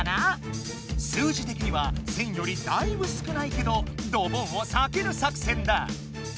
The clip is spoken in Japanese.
数字的には１，０００よりだいぶ少ないけどドボンをさける作戦だ。